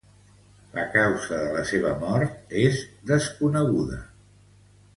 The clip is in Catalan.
La causa de la seua mort és desconeguda.